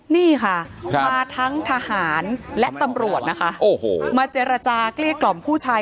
นี่ค่ะมาทั้งทหารและตำรวจนะคะโอ้โหมาเจรจาเกลี้ยกล่อมผู้ชาย